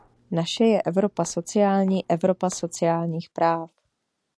Naše je Evropa sociální, Evropa sociálních práv.